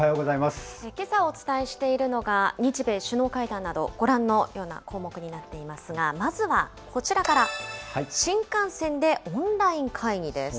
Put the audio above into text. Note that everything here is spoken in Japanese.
けさお伝えしているのが、日米首脳会談など、ご覧のような項目になっていますが、まずはこちらから、新幹線でオンライン会議です。